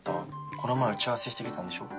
この前打ち合わせしてきたんでしょ？